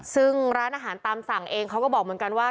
ซึ่งร้านอาหารตามสั่งเองเขาก็บอกเหมือนกันว่า